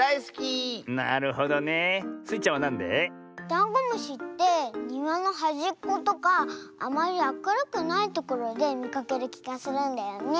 ダンゴムシってにわのはじっことかあまりあかるくないところでみかけるきがするんだよね。